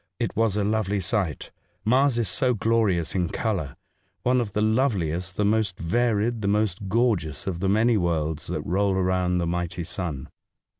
It was a lovely sight ! Mars is so glorious in colour — one of the lovehest, the most varied, the most gorgeous of the many worlds that roll around the mighty sun.